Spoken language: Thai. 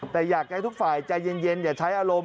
แต่อยากให้ทุกฝ่ายใจเย็นอย่าใช้อารมณ์